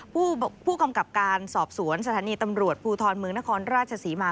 ผู้กำกับการสอบสวนสถานีตำรวจภูทรเมืองนครราชศรีมา